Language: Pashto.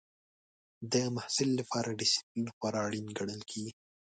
د محصل لپاره ډسپلین خورا اړین ګڼل کېږي.